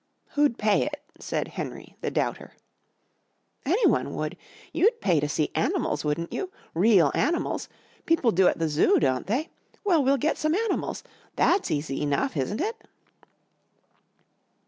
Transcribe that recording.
"Who'd pay it?" said Henry, the doubter. "Anyone would. You'd pay to see animals, wouldn't you? real animals. People do at the Zoo, don't they? Well, we'll get some animals. That's easy enough, isn't it?"